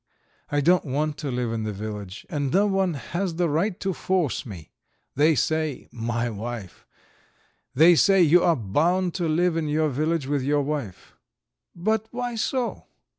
I don't want to live in the village, and no one has the right to force me. They say my wife. They say you are bound to live in your cottage with your wife. But why so?